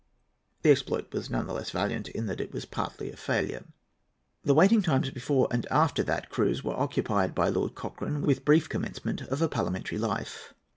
The exploit was none the less valiant in that it was partly a failure. The waiting times before and after that cruise were occupied by Lord Cochrane with brief commencement of parliamentary life.